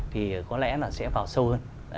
thì có lẽ là sẽ vào sâu hơn